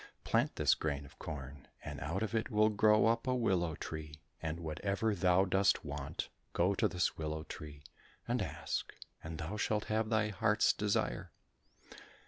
Plant this grain of corn, and out of it will grow up a willow tree, and whatever thou dost want, go to this willow tree and ask, and thou shalt have thy heart's desire."